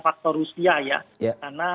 faktor rusia ya karena